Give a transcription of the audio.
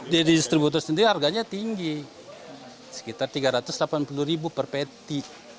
jadi distributor sendiri harganya tinggi sekitar rp tiga ratus delapan puluh per peti